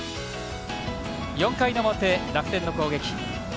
４回の表、楽天の攻撃。